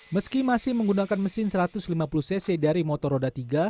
meski masih menggunakan mesin satu ratus lima puluh cc dari motor roda tiga